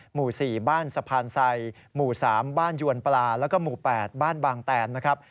หมู่๔บ้านสะพานไซหมู่๓บ้านยวนปลาแล้วก็หมู่๘บ้านบางแตนนะครับ